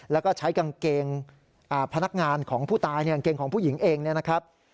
แล้วก็ใช้กางเกงพนักงานของผู้ตายเนี่ยกางเกงของผู้หญิงเองเนี่ยนะครับ